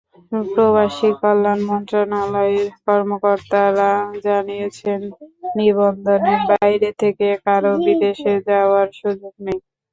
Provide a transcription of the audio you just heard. প্রবাসীকল্যাণ মন্ত্রণালয়ের কর্মকর্তারা জানিয়েছেন, নিবন্ধনের বাইরে থেকে কারও বিদেশে যাওয়ার সুযোগ নেই।